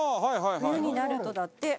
「冬になると」だって。